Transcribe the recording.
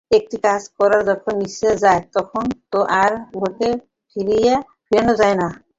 একটি কাজ যখন করা হইয়া যায়, তখন তো আর উহাকে ফিরান যায় না।